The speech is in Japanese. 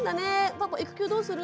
「パパ育休どうする？」